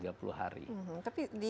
tapi diedukasi keberhasilan